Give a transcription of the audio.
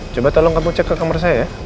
coba tolong kamu cek ke kamar saya ya